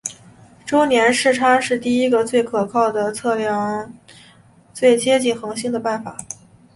周年视差是第一个最可靠的测量最接近恒星的方法。